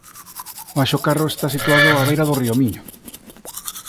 O Anxo Carro está situado á beira do Río Miño.